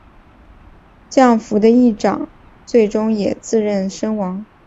降伏的义长最终也自刃身亡。